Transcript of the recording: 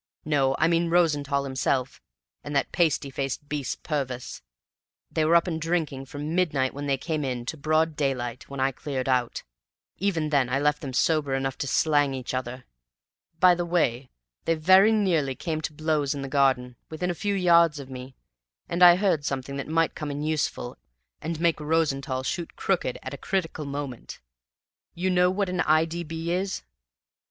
No, I mean Rosenthall himself, and that pasty faced beast Purvis. They were up and drinking from midnight, when they came in, to broad daylight, when I cleared out. Even then I left them sober enough to slang each other. By the way, they very nearly came to blows in the garden, within a few yards of me, and I heard something that might come in useful and make Rosenthall shoot crooked at a critical moment. You know what an I. D. B. is?"